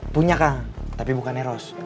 punya kang tapi bukan eros